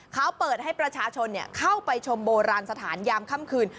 เขาเปิดให้ประชาชนเข้าไปชมโบราณสถานยามค่ำคืน